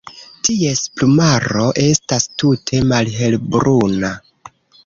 Ties plumaro estas tute malhelbruna.